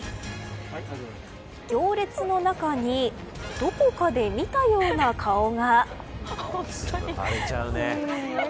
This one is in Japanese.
行列の中にどこかで見たような顔が。